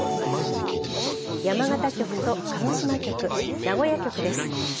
山形局と鹿児島局名古屋局です。